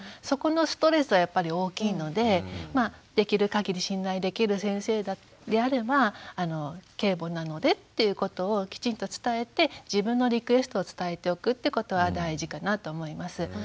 そこのストレスはやっぱり大きいのでできるかぎり信頼できる先生であれば継母なのでっていうことをきちんと伝えて自分のリクエストを伝えておくってことは大事かなと思います。